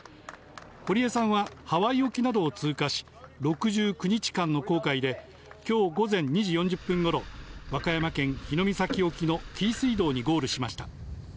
堀江さんはハワイ沖などを通過し、６９日間の航海で、きょう午前２時４０分ごろ、和歌山県日ノ御埼沖の紀伊水道にゴールしました。